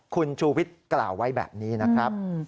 คุณชูวิทย์กล่าวไว้แบบนี้นะครับ